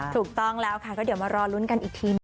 ถูกต้องแล้วค่ะก็เดี๋ยวมารอลุ้นกันอีกทีหนึ่ง